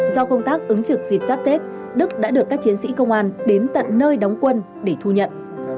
do công tác ứng trực dịp giáp tết đức đã được các chiến sĩ công an đến tận nơi đóng quân để thu nhận